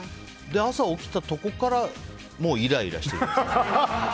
朝、起きたところからもうイライラしてる。